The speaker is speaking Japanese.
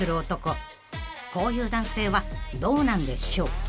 ［こういう男性はどうなんでしょう］